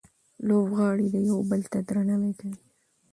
لوبغاړي یو بل ته درناوی کوي.